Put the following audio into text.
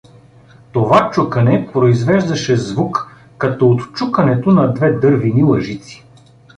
Това чукане произвеждаше звук като от чукането на две дървени лъжици.